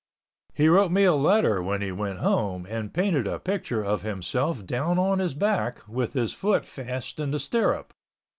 He wrote me a letter when he went home and painted a picture of himself down on his back with his foot fast in the stirrup.